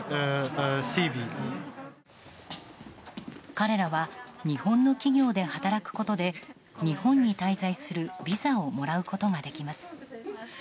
彼らは日本の企業で働くことで日本に滞在するビザをもらうことができます。